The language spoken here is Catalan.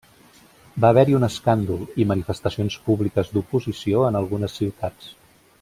Va haver-hi un escàndol i manifestacions públiques d'oposició en algunes ciutats.